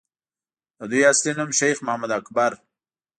دَدوي اصل نوم شېخ محمد اکبر